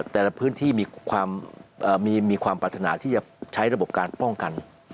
แต่ละพื้นที่มีความปรารถนาที่จะใช้ระบบการป้องกัน